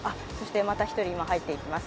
また１人、今入っていきます。